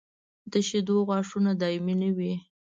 د شېدو غاښونه دایمي نه وي.